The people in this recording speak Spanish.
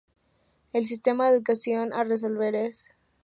El sistema de ecuación a resolver es.